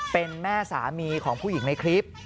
เป็นแม่สามีของผู้หญิงในคลิป